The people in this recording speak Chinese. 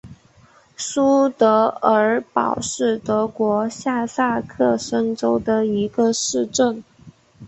苏德尔堡是德国下萨克森州的一个市镇。